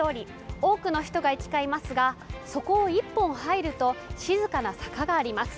多くの人が行き交いますがそこを一本入ると静かな坂があります。